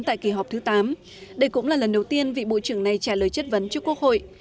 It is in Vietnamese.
tại kỳ họp thứ tám đây cũng là lần đầu tiên vị bộ trưởng này trả lời chất vấn cho quốc hội